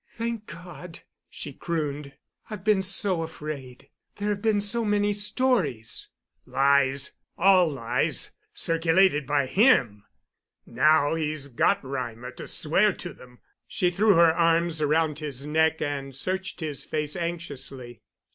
"Thank God," she crooned. "I've been so afraid. There have been so many stories." "Lies—all lies—circulated by him. Now he's got Reimer to swear to them." She threw her arms around his neck and searched his face anxiously.